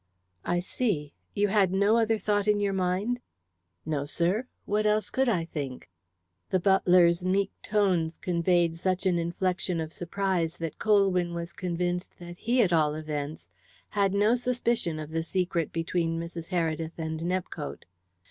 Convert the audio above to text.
"I see. You had no other thought in your mind?" "No, sir. What else could I think?" The butler's meek tones conveyed such an inflection of surprise that Colwyn was convinced that he, at all events, had no suspicion of the secret between Mrs. Heredith and Nepcote.